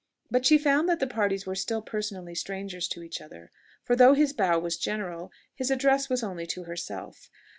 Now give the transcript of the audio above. But she found that the parties were still personally strangers to each other; for though his bow was general, his address was only to herself.